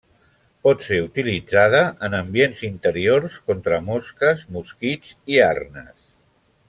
Pot ser utilitzada en ambients interiors contra mosques, mosquits i arnes.